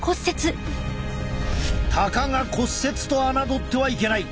たかが骨折とあなどってはいけない。